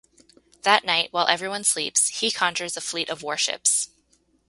That night, while everyone sleeps, he conjures a fleet of warships.